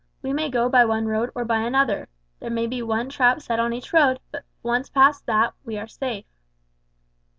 We may go by one road or by another. There may be one trap set on each road; but once past that and we are safe."